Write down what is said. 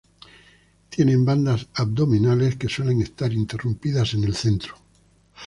Tienen bandas abdominales que suelen estar interrumpidas en el centro.